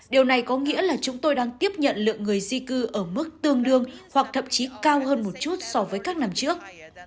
điều này có nghĩa là chúng tôi đang tiếp nhận lượng người di cư ở mức tương đương hoặc thậm chí cao hơn một chút so với các năm trước